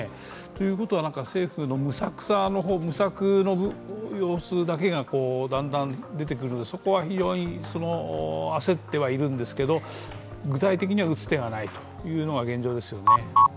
ということは政府の無策の様子だけがだんだん出てくるので、そこは非常に焦ってはいるんですけれども具体的には打つ手がないというのが現状ですよね。